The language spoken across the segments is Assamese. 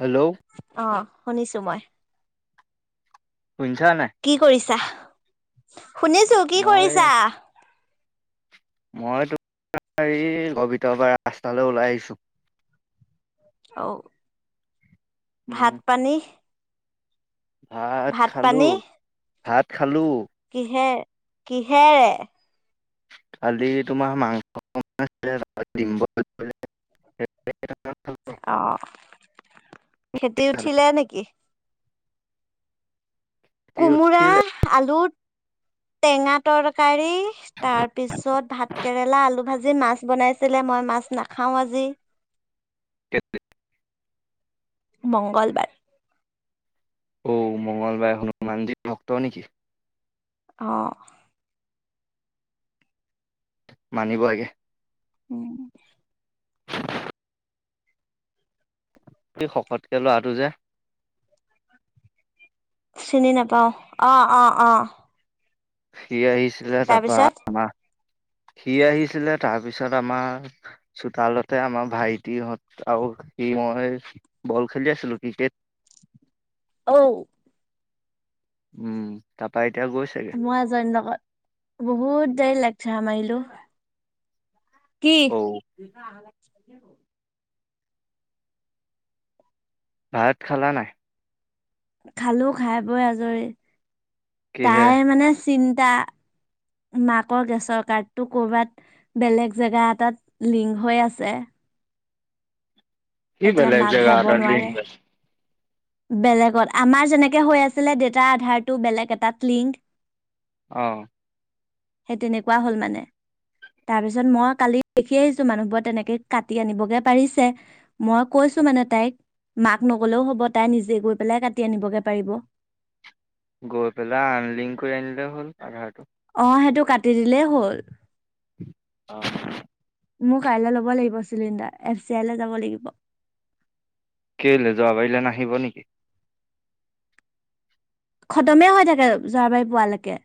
হেল্ল' অ শুনিছো মই শুনিছা নাই? কি কৰিছা শুনিছো কি মই কৰিছা মই তোমাৰ এই ঘৰৰ ভিতৰৰ পৰা ৰাস্তালৈ ওলাই আহিছো অ উম, ভাত পানী ভাত খালো ভাত খ কিহে কিহেৰে কালি তোমাৰ মাংস [unintelligible] অ খেতি উঠিলে নেকি কোমোৰা উঠিলে আলু টেঙা তৰকাৰী তাৰ পিছত ভাত কেৰেলা আলু ভাজি মাছ বনাইছিল লে মই মাছ নাখাওঁ আজি [unintelligible] মংগলবাৰ অ মঙ্লবাৰে হনুমানজীৰ ভক্ত নেকি অঁ মানিব লাগে উম এই শকতকে লৰাটো যে চিনি নাপাওঁ অ অ অ সি আহিছিলে তাৰপা তাৰপিছত আমাৰ সি আহিছিলে তাৰপিছত আমাৰ চোতালতে আমাৰ ভাইটিহঁত আৰু সি মই বল খেলি আছিলোঁ ক্ৰিকেট ঔ উম তাপাইত মই এজনী লগত বহুত দেৰি লেকচাৰ মাৰিলো কি অঔ ভাত খালা নাই? খালো খাই বৈ আজৰি কিহে? তাই মানে চিন্তা মাকৰ গেছৰ কাৰ্ডটো ক'বাত বেলেগ জেগা এটাত লিংক হৈ আছে কি এতিয়া বেলেগে মাক জেগা যাব এটাত লিংক নোৱাৰে হৈ আছে বেলেগত আমাৰ যেনেকে হৈ আছিলে দেতাৰ আধাৰটো বেলেগ এটাত লিংক অহ সেই তেনেকুৱা হল মানে তাৰ পিছত মই কালি দেখি আহিছো মানুহবোৰ তেনেকে কাটি আনিবগে পাৰিছে মই কৈ ছো মানে তাইক মাক নগলেও হ'ব তাই নিজে গৈ পেলাই কাটি আনিবগে পাৰিব গৈ পেলাই আনলিংক কৰি আনিলে হ'ল আধাৰটো অ সেইটো কাটি দিলেই হ'ল অহ মোৰ কাইলৈ ল'ব লাগিব চিলিণ্ডাৰ এফ চি আই লৈ যাব লাগিব কেইলৈ যোৱাবাৰিলে নাহিব নেকি? খতমে হৈ থাকে যোৱাবাৰী পোৱালৈকে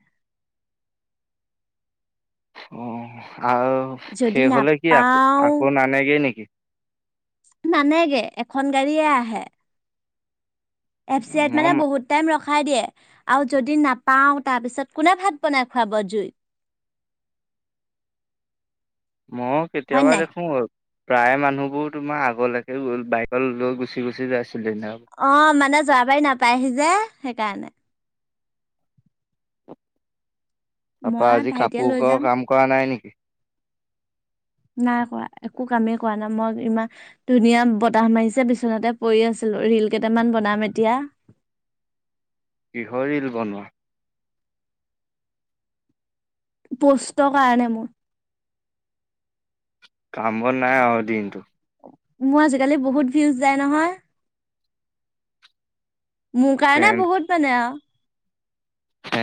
অ আৰু যদি শেষ হলে কি আকৌ নাপাও আকৌ নানেগে নেকি? নানেগে এখন গাড়ীয়ে আহে এফ চি আইত মই মানে বহুত টাইম ৰখে খাই দিয়ে আৰু যদি নাপাও তাৰ পিছত কোনে ভাত বনাই খুৱাব জুইত? মই হয় কেতিয়াবা নাই দেখো বাৰু। প্ৰায় মানুহবোৰ তোমাৰ আগলৈকে বাইক লৈ গুচি গুচি যাইছে। অ', মানে জৰাবাৰি নাপায়হি যে সেইকাৰণে। তাৰ পৰা মই আজি ভাইটিয়ে কাপোৰ লৈ ক' যাম কাম কৰা নাই নেকি? নাই কৰা একো কামেই কৰা নাই মই ইমান ধুনীয়া বতাহ মাৰিছে বিচনাতে পৰি আছোঁ। ৰিল কেইটামান বনাম এতিয়া। কিহৰ ৰিল বনোৱা? পষ্টৰ কাৰণে মোৰ। কামবন নাই আৰু দিনটো। মোৰ আজিকালি বহুত ভিউজ যায় নহয়। মোৰ কাৰণে বহুত মানে আও।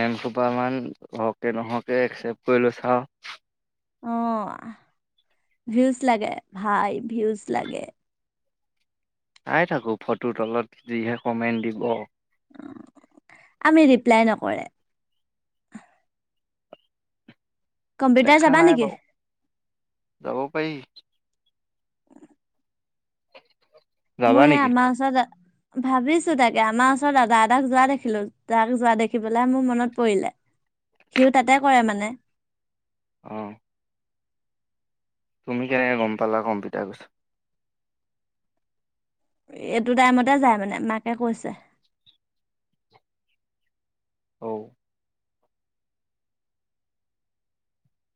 এম খোপামান হওকে নহওকে একচেপ্ট কৰি লৈছা আৰু। অ', ভিউজ লাগে ভাই ভিউজ লাগে। চাই থাকো ফটো তলত যিহে কমেণ্ট দিব। আমি ৰিপ্লাই নকৰে। কম্পিউটাৰ দেখা চাবা নাই নেকি বাৰু যাব পাৰি। যাবা মোৰ সে নেকি আমাৰ ওচৰত ভাবিছোঁ তাকে আমাৰ ওচৰত দাদা এটাক যোৱা দেখিলোঁ, তাক যোৱা দেখি পেলাই মোৰ মনত পৰিলে। সিও তাতে কৰে মানে। অ', তুমি কেনেকে গম পালা কম্পিউটাৰ এইটো টাইমতে যায় মানে মাকে কৈছে। ঔ',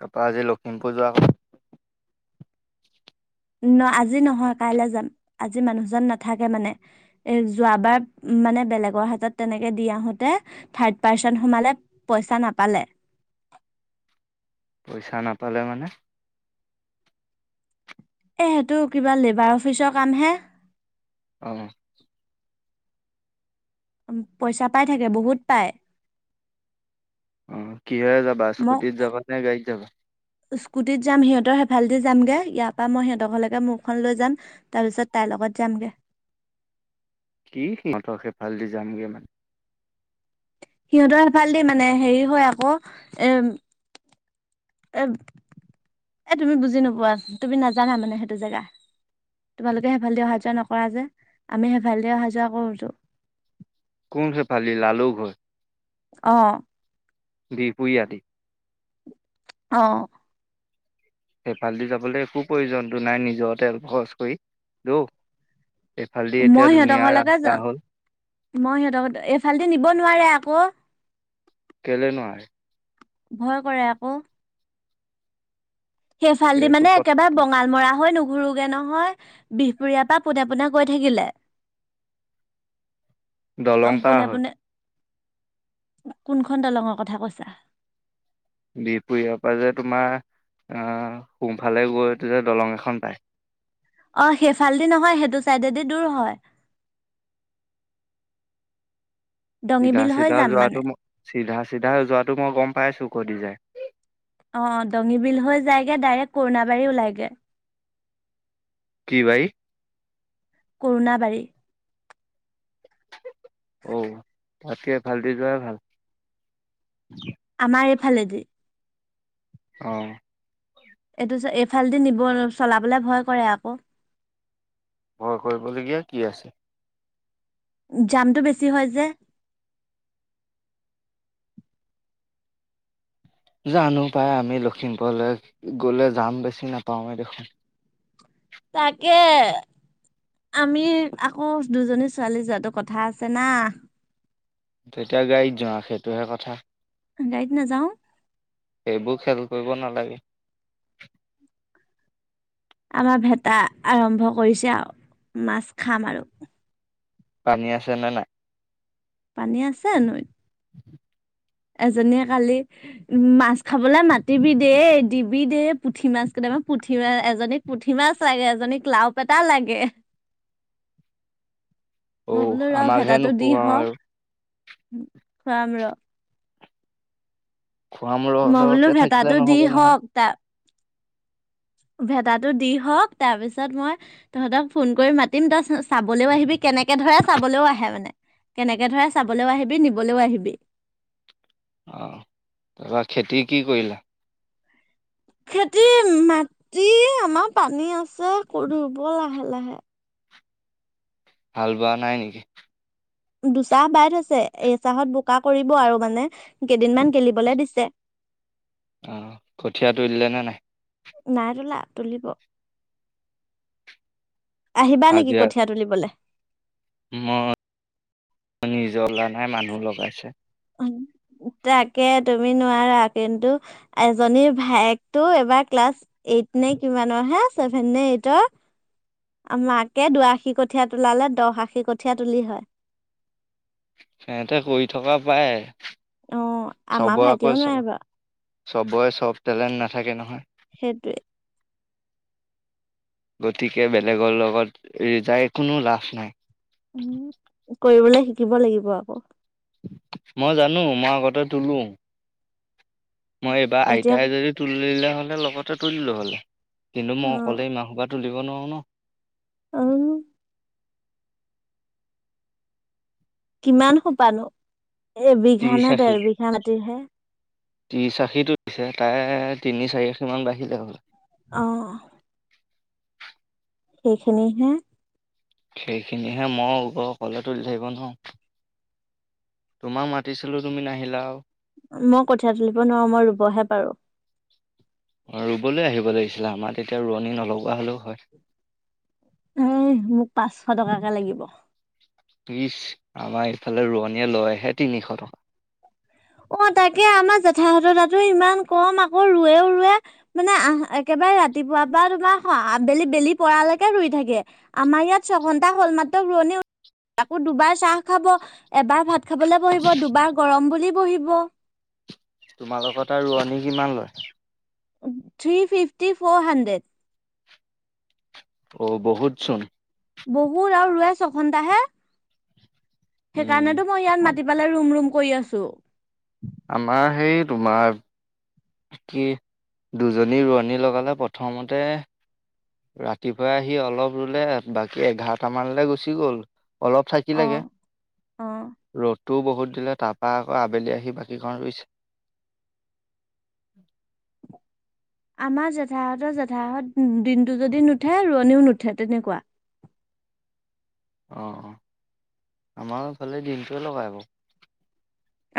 তাৰপৰা আজি লখিমপুৰ যোৱা না আজি নহয় কাইলে যাম আজি মানুহজন নাথাকে মানে এ যোৱাবাৰ মানে বেলেগৰ হাতত তেনেকে দি আহোঁতে থাৰ্ড পাৰ্চন সোমালে পইচা নাপালে। পইচা নাপালে মানে? এ সেইটো কিবা লেবাৰ অফিচৰ কামহে। অ', পইচা পাই থাকে বহুত পায়। অ', কি হয় যাবা মই স্কুটিত যাবা নে গাড়ীত যাবা? স্কুটিত যাম, সিহঁতৰ সেফালেদি যামগে ইয়াৰ পৰা মই সিহঁতৰলৈকে মোৰখন লৈ যাম, তাৰ পিছত তাইৰ লগত। কত যামগে। কি মত সেইফালে দি যামগে মানে। সিহঁতৰ এফাল দি মানে হেৰি হয় আকৌ এম এ এ তুমি বুজি নোপোৱা তুমি নাজানা মানে সেইটো জেগা। তোমালোকে হেফাল দি অহা যোৱা নকৰা যে, আমি হেফালদি অহা যোৱা কৰোহোঁ। কোন সেফালদি লালুক হৈ? অ', বিহপুৰী আদি অ', সেফালদি যাবলৈ একো প্ৰয়োজনতো নাই নিজৰ তেল খৰচ কৰি দৌ এইফালদি এতিয়া মই সিহঁতৰ ধুনীয়া ঘৰ লৈকে ৰাস্তা যাম, হ'ল মই সিহঁতক এইফালদি নিব নোৱাৰে আকৌ। কেলে নোৱাৰে? ভয় কৰে আকৌ। সেইফালদি এইটো মানে কথা একেবাৰে বঙালমৰা হৈ নু ঘুুৰোগে নহয় বিহপুৰীয়াৰ পৰা পোনে পোনে গৈ থাকিলে দলং পাৰ পোনে হয়। পোনে কোনখন দলঙৰ কথা কৈছা? বিহপুৰিয়াৰ পৰা যে তোমাৰ আ, সোফালে গৈটো যে দলং এখন পায়। অ, সেইফালেদি নহয়, সেইটো চাইডেদি দূৰ হয়। দঙি চিধা বিল হৈ চিধা যাম যোৱাটো মানে ম চিধা চিধা যোৱাটো মই গম পাইছো কৰ দি যাই। অ, দঙী বিল হৈ যায়গৈ, ডাইৰেক্ট কৰুণাবাৰী ওলাইগৈ। কি বাৰী? কৰুণাবাৰী। অ', তাতকে এই ফাল দি যোৱাই ভাল। আমাৰ এই ফালেদি? অ, এইটো যে এইফালেদি নিব, চলাবলে ভয় কৰে আকৌ। ভয় কৰিবলগীয়া কি আছে? জামটো বেছি হয় যে। জানো পাই, আমি লক্ষীমপুৰলৈ গলে যাম বেছি নাপাওঁৱে দেখোন। তাকে। আমি আকৌ দুজনী ছোৱালী যোৱাটো কথা আছে না। তেতিয়া গাড়ীত যোৱা, সেইটোহে কথা। গাড়ীত নাজাওঁ। সেইবোৰ খেল কৰিব নালাগে। আমাৰ ভেটা আৰম্ভ কৰিছে আৰু, মাছ খাম আৰু। পানী আছে নে নাই? পানী আছে নৈত। এজনীয়ে কালি উ মাছ খাবলৈ মাতিবি দেই, দিবি দেই, পুঠি মাছ কেইটা পুঠি মাছ, এজনীক পুঠি মাছ লাগে, এজনীক লাও পেটা লাগে। [inaudible] মই বোলো ৰ, আমাকহে ভেটাটো দি নোখোৱাও হওক, আৰু খুৱাম ৰ'। খোৱাম মই বোলো ৰহকে থাকিলে ভেটাটো দি নহব নহয় হওঁক, তাৰ ভেটাটো দি হওঁক, তাৰ পিছত মই তহঁতক ফোন কৰি মাতিম, তই চা-চাবলৈও আহিবি কে কেনেকে ধৰে চাবলৈও আহে মানে, কেনেকে ধৰে চাবলৈও আহিবি, নিবলৈও আহিবি। অহ', তাৰপৰা খেতি কি কৰিলা? খেতি, মাটি আমাৰ পানী আছে, কৰিব লাহে লাহে। হাল বোৱা নাই নেকি? দুচাহ বাই থৈছে। এইচাহত বোকা কৰিব আৰু মানে, কেইদিনমান গেলিবলৈ দিছে। অহ', কঠীয়া তুলিলে নে নাই? নাই তুলা, তুলিব। আহিবা নেকি, কঠীয়া তুলিবলে? ম [inaudible] নিজৰ লাইনহে মানুহ লগাইছে। তাকে, তুমি নোৱাৰা। কিন্তু এজনীৰ ভায়েকটো এইবাৰ ক্লাছ এই এইট নে কিমানৰ হে, ছেভেন নে এইটৰ মাকে দুআশী কঠীয়া তোলালে, দহ আশী কঠীয়া তুলি হয়। সিহঁতে কৰি থকা, পাৰে। অ আমাৰ চবৰে ভাইটিও আকৌ, নোৱাৰে বাৰু চ-চবৰে চব টেলেণ্ট নাথাকে নহয়। সেইটোৱেই। গতিকে, বেলেগৰ লগত ৰিযাই কোনো লাভ নাই। উম কৰিবলৈ শিকিব লাগিব আকৌ। মই জানো, মই আগতে তোলো। মই এইবাৰ এতিয়া আইতাই যদি তুলিলে হ'লে, লগতে তুলিলো হ'লে। কিন্তু অ মই অকলেই ইমান সোপা তুলিব নোৱাৰোঁ ন'। অও' কিমান সোপা নো? এবিঘা ত্ৰিশ নে ডেৰ বিঘা মাটিৰহে। ত্ৰিছ আশীটো তুলিছে, তাৰে তিনি চাৰি আশীমান বাঢ়িলে হলে। অহ', সেইখিনি হে। সেইখিনিহে মই [unintelligible] তুলি থাকিব নোৱাৰো। তোমাক মাতিছিলোঁ, তুমি নাহিলা আৰু। মই কঠিয়া তুলিব নোৱাৰো, মই ৰুবহে পাৰো। ৰুবলৈ আহিব লাগিছিলে, আমাৰ তেতিয়া ৰোৱনী নলগোৱা হ'লেও হয়। ওহ' মোক পাঁচশ টকাকে লাগিব। ইচ্, আমাৰ ইফালে ৰোৱনীয়ে লয় হে তিনিশ টকা। অ' তাকে আমাৰ জেঠাহঁতৰ তাতো ইমান কম, আকৌ ৰুৱেও ৰুৱে মানে আহ একে বাৰে ৰাতিপুৱা পৰা [unintelligible] আবেলি বেলি পৰালৈকে ৰুই থাকে। আমাৰ ইয়াত ছঘন্টা হ'ল মাত ৰোৱনী [inaudible] আকৌ দুবাৰ চাহ খাব, এবাৰ ভাত খাবলে বহিব, দুবাৰ গৰম বুলি বহিব। তোমালোকৰ তাত ৰোৱনী কিমান লয়? উম', থ্ৰী ফিফটি ফ'ৰ হান্ড্ৰেড। অ', বহুত চোন। বহুত আৰু ৰুৱে ছঘন্টা হে। সেইকাৰণেতো মই ইয়াত উম মাতি পেলাই ৰুম-ৰুম কৰি আছোঁ। আমাৰ সেই তোমাৰ কি? দুজনী ৰোৱনী লগালে প্ৰথমতে ৰাতিপুৱা আহি অলপ ৰুলে, বাকী এঘাৰটা মানলৈ গুচি গ'ল। অলপ থাকি অ লাগে, অ ৰ'দ টোও বহুত দিলে, তাৰপৰা আকৌ আবেলি আহি বাকীখন ৰুইছে। [unintelligible] আমাৰ জেঠাহঁতৰ জেঠাই দিনটো যদি নুঠে ৰোৱনিও নুঠে তেনেকুৱা অ, অ, আমাৰোফালে দিনটোৱে লগাই বাৰু।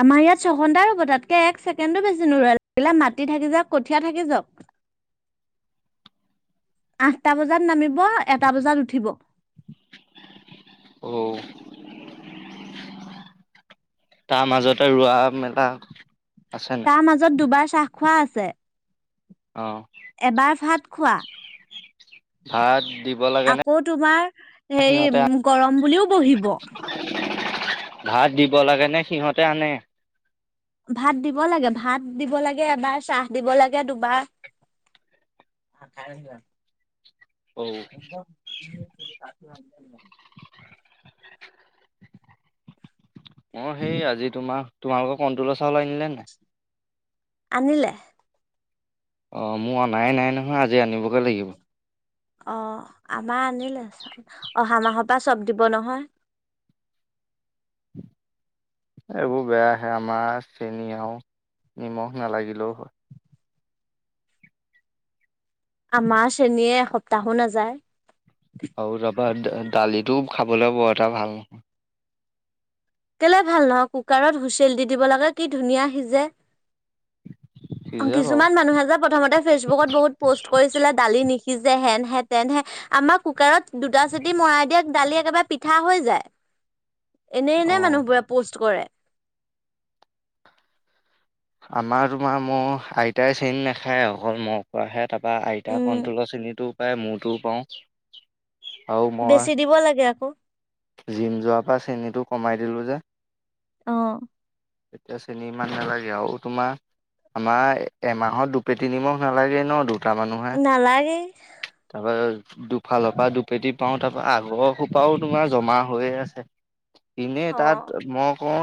আমাৰ ইয়াত ছঘণ্টাই ৰুব তাতকে এক ছেকেণ্ডো বেছি নুৰুৱে লাগিলে মাটি থাকি যাওক কঠীয়া থাকি যাওক। আঠটা বজাত নামিব এটা বজাত উঠিব। ঔ। তাৰ মাজতে ৰোৱা, মেলা আছে নাই তাৰ মাজত দুবাৰ চাহ খোৱা আছে। অ। এবাৰ ভাত খোৱা। ভাত দিব লাগে নে আকৌ তোমাৰ সিহঁতে হেৰি গৰম বুলিও বহিব। ভাত দিব লাগে নে? সিহঁতে আনে? ভাত দিব লাগে ভাত দিব লাগে এবাৰ চাহ দিব লাগে দুবাৰ। অ, খাই। [unintelligible] অ [unintelligible] অ, সেই আজি তোমাৰ তোমালোকৰ কণ্ট্ৰলৰ চাউল আনিলে নাই? আনিলে। অ, মোৰ অনাই নাই নহয় আজি আনিবগে লাগিব। অ, আমাৰ আনিলে চাউল, অহা মাহৰ পৰা চব দিব নহয়। এইবোৰ বেয়া আহে আমাৰ চেনি আৰু নিমখ নালাগিলেও হয়। আমাৰ চেণীয়ে এসপ্তাহো নাযায়। আৰু তাপা দালিটোও খাবলৈ বৰ এটা ভাল নহয়। কেলে ভাল নহয় কুকাৰত হুচেল দি দিব লাগে কি ধুনীয়া সিজে। অ, সিজে বাৰু কিছুমান মানুহে যে প্ৰথমতে ফেচবুকত বহুত পষ্ট কৰিছিলে দালি নিশি কি যে, হেন হে, তেন হে আমাৰ কুকাৰত দুটা চিটি মৰাই দিয়ে দালি একেবাৰে পিঠা হৈ যায়। [inaudible] এনেই, অ এনে মানুহবোৰে প'ষ্ট কৰে। আমাৰ তোমাৰ, মোৰ আইতাই চেনী নাখায় অকল ম, পৰা খত তাৰ পৰাৰা আইতা উম কন্তুল শ্ৰেণীটোও পায়, মূটোও পাওঁ। আৰু মই বেছি দিব লাগে, আকৌ। জিম যোৱাৰ পৰা চেনীটো কমাই দিলো যে। আহ। এতিয়া চিনি ইমান নালাগে আৰু তোমাৰ। আমাৰ এমাহত দুপেতি নিমাহ নালাগে ন, দু টা, মানুহে নালাগে। তাৰপা দুফালৰ পৰা দুপেটি পাও তাৰ পৰা, আগৰ সোপাও তোমাৰ জমা হৈয়ে আছে। এনেই অ তাত মই ক